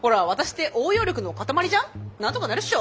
なんとかなるっしょ。